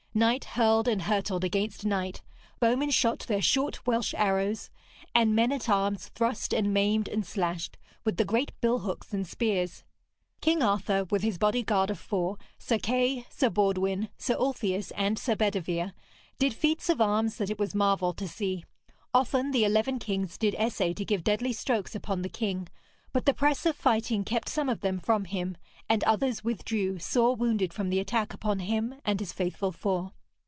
Knight hurled and hurtled against knight, bowmen shot their short Welsh arrows, and men at arms thrust and maimed and slashed with the great billhooks and spears. King Arthur, with his bodyguard of four Sir Kay, Sir Baudwin, Sir Ulfius, and Sir Bedevere did feats of arms that it was marvel to see. Often the eleven kings did essay to give deadly strokes upon the king, but the press of fighting kept some of them from him, and others withdrew sore wounded from the attack upon him and his faithful four.